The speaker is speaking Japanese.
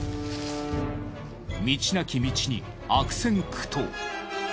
道なき道に悪戦苦闘。